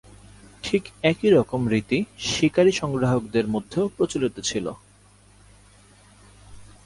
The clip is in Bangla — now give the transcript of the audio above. ঠিক একই রকম রীতি শিকারী-সংগ্রাহকদের মধ্যেও প্রচলিত ছিল।